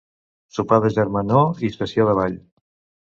Sopar de germanor i sessió de ball.